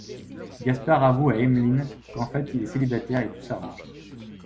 Gaspard avoue à Emmeline qu'en fait il est célibataire et tout s'arrange.